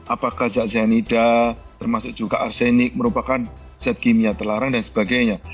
apakah zat cyanida termasuk juga arsenik merupakan zat kimia terlarang dan sebagainya